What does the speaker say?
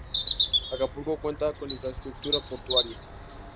Acapulco cuenta con infraestructura portuaria.